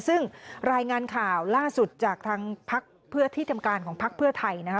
ซึ่งรายงานข่าวล่าสุดจากที่ทำการของพักเพื่อไทยนะคะ